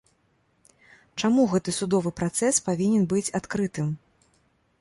Чаму гэты судовы працэс павінен быць адкрытым?